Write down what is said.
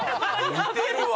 似てるわ。